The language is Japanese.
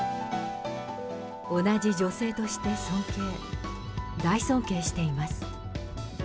同じ女性として尊敬、大尊敬しています。